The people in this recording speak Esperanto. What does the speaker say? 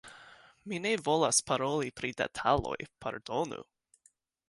Mi ne volas paroli pri detaloj, pardonu.